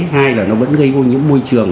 hai là nó vẫn gây ô nhiễm môi trường